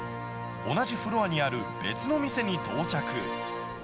同じフロアにある別の店に到着。